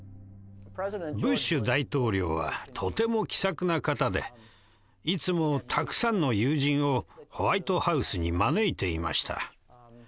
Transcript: ブッシュ大統領はとても気さくな方でいつもたくさんの友人をホワイトハウスに招いていました。